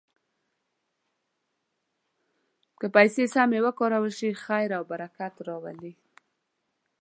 که پیسې سمې وکارول شي، خیر او برکت راولي.